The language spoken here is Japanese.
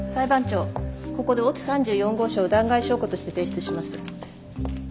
ここで乙３４号証を弾劾証拠として提出します。